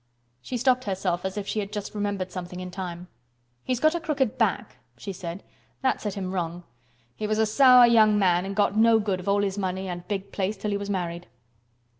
She stopped herself as if she had just remembered something in time. "He's got a crooked back," she said. "That set him wrong. He was a sour young man and got no good of all his money and big place till he was married."